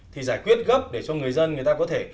thì giải quyết gấp để cho người dân người ta có thể